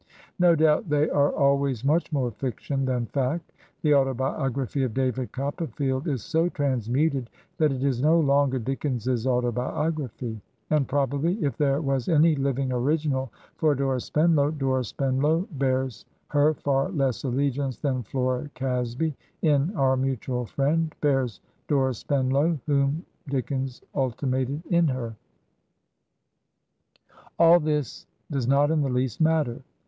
No doubt they are always much more fiction than fact; the autobiography of David Copperfield is so transmuted that it is no longer Dickens's autobiography; and probably, if there was any Uving original for Dora Spenlow, Dora Spenlow bears her far less allegiance than Flora Casby, in " Our Mutual Friend," bears Dora Spenlow, whom Dickens ultimated in her. All this does not in the least matter.